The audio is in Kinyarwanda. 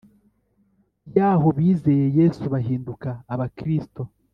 Yaho bizeye yesu bahinduka abakristo